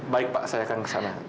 baik pak saya akan ke sana